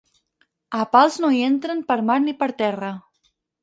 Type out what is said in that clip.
A Pals no hi entren per mar ni per terra.